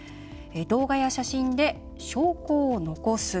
動画や写真で証拠を残す。